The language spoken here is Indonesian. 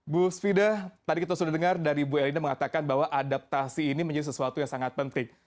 bu svida tadi kita sudah dengar dari bu elina mengatakan bahwa adaptasi ini menjadi sesuatu yang sangat penting